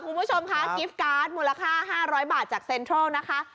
คุณผู้ชมคะกิฟต์การ์ดมูลค่า๕๐๐บาทจากเซ็นทรัลนะคะ